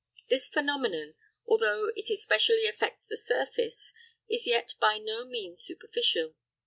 This phenomenon, although it especially affects the surface, is yet by no means superficial.